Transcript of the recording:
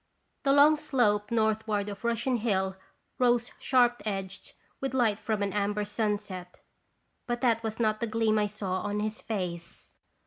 The long slope northward of Russian Hill rose sharp edged with light from an amber sunset, but that was not the gleam I saw on his face.